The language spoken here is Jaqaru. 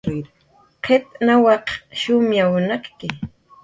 Qit nawaq shumay nakki